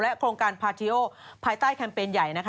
โครงการพาทีโอภายใต้แคมเปญใหญ่